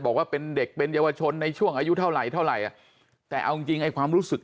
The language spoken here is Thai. บอกว่าเป็นเด็กเป็นเยาวชนในช่วงอายุเท่าไหร่เท่าไหร่เจอว่าความรู้สึก